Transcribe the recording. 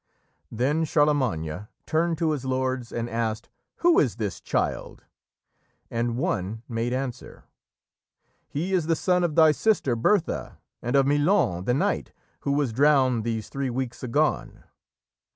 Then Charlemagne turned to his lords and asked "Who is this child?" And one made answer: "He is the son of thy sister Bertha, and of Milon the knight, who was drowned these three weeks agone."